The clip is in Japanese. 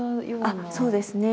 あっそうですね。